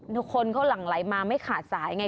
แล้วคนเขาหลั่งไหลมาไม่ขาดสายไง